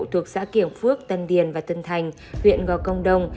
thuộc xã kiểng phước tân điền và tân thành huyện gò công đông